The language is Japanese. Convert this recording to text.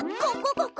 ここ！